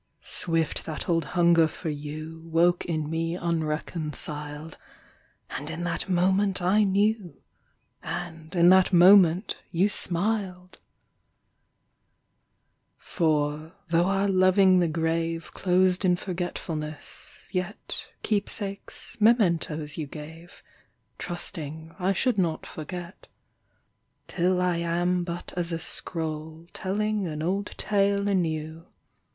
.. Swift that old hunger for you ^^'oke in me unreconciled ; And in that moment I knew. And in that moment you smiled ! For. though our loving the grave Closed in forgetfulness, yet Keepsakes, mementoes you gave, Trusting I should not forget. Till I am but as a scroll Telling an old tale anew.